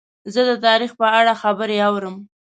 زه د تاریخ په اړه خبرې اورم.